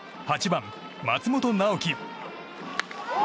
８番、松本直樹。